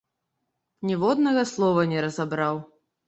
Ніводнага слова не разабраў.